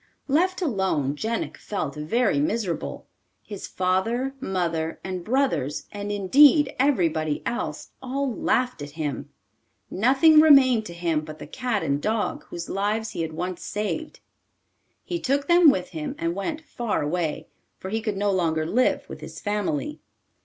Left alone, Jenik felt very miserable. His father, mother, and brothers, and, indeed, everybody else, all laughed at him. Nothing remained to him but the cat and dog whose lives he had once saved. He took them with him and went far away, for he could no longer live with his family.